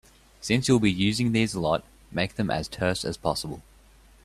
Since you'll be using these a lot, make them as terse as possible.